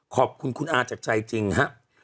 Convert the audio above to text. ขอบคุณคุณอาจากใจจริงครับ